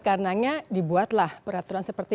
karenanya dibuatlah peraturan seperti